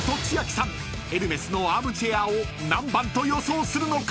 ［エルメスのアームチェアを何番と予想するのか？］